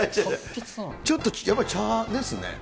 ちょっとやっぱり茶ですね。